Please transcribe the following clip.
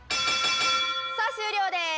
さあ終了です。